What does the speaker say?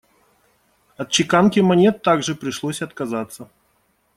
От чеканки монет также пришлось отказаться.